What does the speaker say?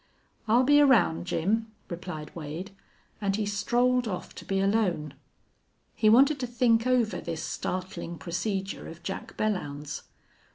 "I'll be around, Jim," replied Wade, and he strolled off to be alone. He wanted to think over this startling procedure of Jack Belllounds's.